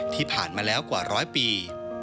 ที่ผ่านมาแล้วกว่าร้อยปี